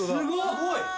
すごい！